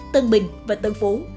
tân bình và tân phố